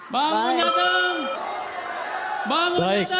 bangun nyateng bangun nyateng